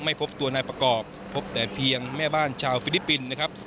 พบตัวนายประกอบพบแต่เพียงแม่บ้านชาวฟิลิปปินส์นะครับ